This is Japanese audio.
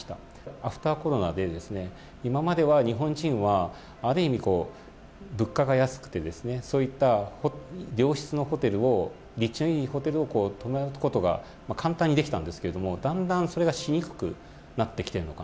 アフターコロナで今までは、日本人はある意味、物価が安くてそういった良質のホテルを立地のいいホテルに泊まることが簡単にできましたがだんだんそれがしにくくなってきている。